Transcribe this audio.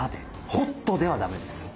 ホットではダメです。